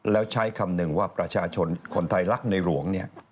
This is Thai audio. แล้วใช้คำหนึ่งว่าประชาชนคนไทยรักในหลวงเนี่ย